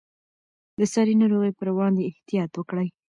د ساري ناروغیو پر وړاندې احتیاط وکړئ.